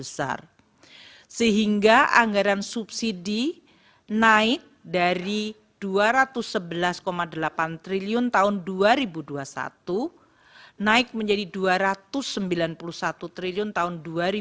sehingga anggaran subsidi naik dari rp dua ratus sebelas delapan triliun tahun dua ribu dua puluh satu naik menjadi rp dua ratus sembilan puluh satu triliun tahun dua ribu dua puluh